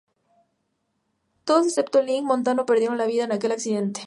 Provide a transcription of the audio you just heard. Todos excepto el Ing. Montano, perdieron la vida en aquel accidente.